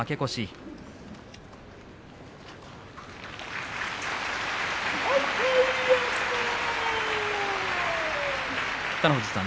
拍手北の富士さん